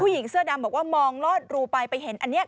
หญิงเสื้อดำบอกว่ามองลอดรูไปไปเห็นอันนี้